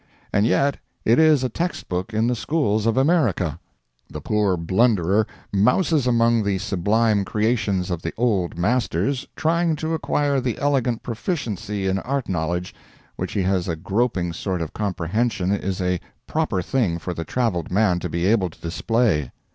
And yet it is a text book in the schools of America. The poor blunderer mouses among the sublime creations of the Old Masters, trying to acquire the elegant proficiency in art knowledge, which he has a groping sort of comprehension is a proper thing for the traveled man to be able to display.